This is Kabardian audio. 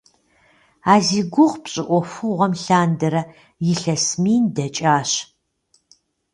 А зи гугъу пщӏы ӏуэхугъуэм лъандэрэ илъэс мин дэкӏащ.